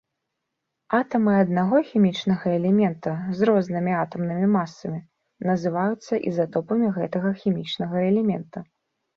Атамы аднаго хімічнага элемента з рознымі атамнымі масамі, называюцца ізатопамі гэтага хімічнага элемента.